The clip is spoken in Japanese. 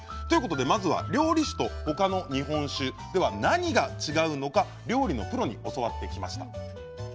まずは料理酒と他の日本酒何が違うのか料理のプロに教わってきました。